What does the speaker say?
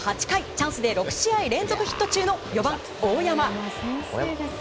チャンスで６試合連続ヒット中の４番、大山。